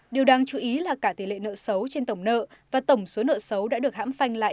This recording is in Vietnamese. điều đáng chú ý là cả tỷ lệ nợ xấu trên tổng nợ và tổng số nợ xấu đã được hãm phanh lại